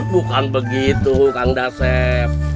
bukan begitu kang dasep